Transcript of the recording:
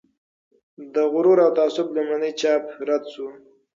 د "غرور او تعصب" لومړنی چاپ رد شو.